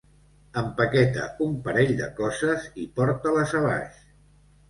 Empaqueta un parell de coses i porta-les a baix.